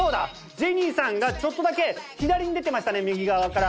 ジェニーさんがちょっとだけ左に出てましたね右側から。